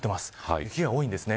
雪が多いんですね。